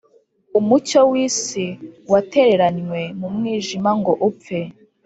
umucyo w'isi watereranywe mu mwijima ngo upfe